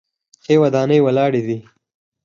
ښې ودانۍ ولاړې دي.